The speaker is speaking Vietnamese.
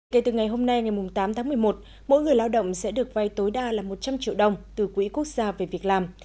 kể từ ngày hôm nay ngày tám tháng một mươi một mỗi người lao động sẽ được vay tối đa là một trăm linh triệu đồng từ quỹ quốc gia về việc làm